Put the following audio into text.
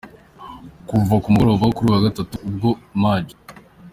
Kuva ku mugoroba wo kuri uyu wa Gatatu ubwo Maj.